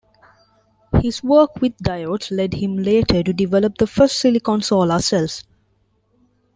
His work with diodes led him later to develop the first silicon solar cells.